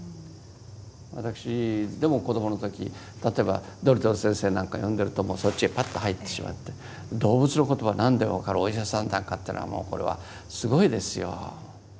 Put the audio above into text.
私でも子どもの時例えば「ドリトル先生」なんか読んでるともうそっちへパッと入ってしまって動物の言葉何でも分かるお医者さんなんかっていうのはもうこれはすごいですよ。